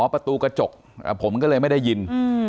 ประตูกระจกผมก็เลยไม่ได้ยิน